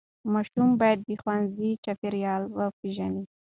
ماشوم باید د ښوونځي چاپېریال وپیژني.